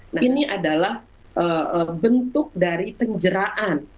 nah ini adalah bentuk dari penjeraan